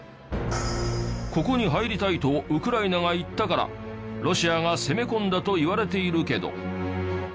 ここに入りたいとウクライナが言ったからロシアが攻め込んだといわれているけど。